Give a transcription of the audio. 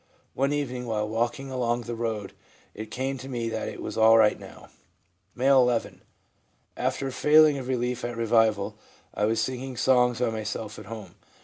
One evening while walking along the road it came to me that it was all right now/ M., 1 1. , After failing of relief at revival, I was singing songs by myself at home.